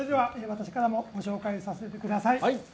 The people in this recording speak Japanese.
私からもご紹介させてください。